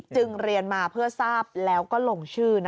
เรียนมาเพื่อทราบแล้วก็ลงชื่อ